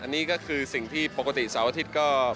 อ๋อนี่ก็คือสิ่งที่ปกติสระวะทิศก็